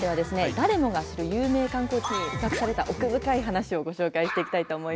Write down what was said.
誰もが知る有名観光地に隠された奥深い話をご紹介していきたいと思います。